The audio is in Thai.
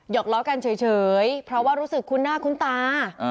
อกล้อกันเฉยเพราะว่ารู้สึกคุ้นหน้าคุ้นตา